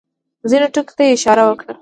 ځینو ټکو ته یې اشاره وکړه.